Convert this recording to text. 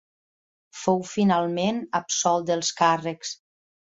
Fou finalment absolt dels càrrecs.